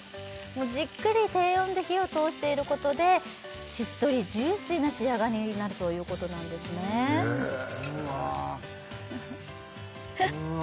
じっくり低温で火を通していることでしっとりジューシーな仕上がりになるということなんですねへえうわうわ